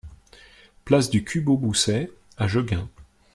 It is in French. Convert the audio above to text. Place du Cubo Bousset à Jegun